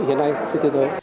hiện nay trên thế giới